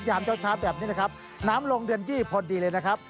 ยามเช้าแบบนี้นะครับน้ำลงเดือนยี่พอดีเลยนะครับ